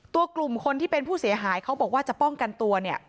กลุ่มคนที่เป็นผู้เสียหายเขาบอกว่าจะป้องกันตัวเนี่ย